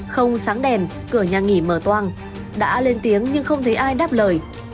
không sáng đèn cửa nhà nghỉ mở toan đã lên tiếng nhưng không thấy ai đáp lời